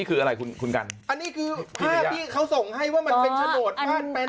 คุณกันอันนี้คือพาพี่เขาส่งให้ว่ามันเป็นโฉนดบ้านเป็นต่างต่าง